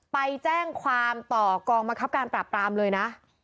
ไปแจ้งความต่อกองบังคับการปราบปรามเลยนะ